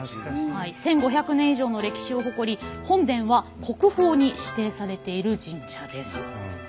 １，５００年以上の歴史を誇り本殿は国宝に指定されている神社です。